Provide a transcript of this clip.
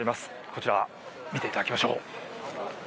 こちら、見ていただきましょう。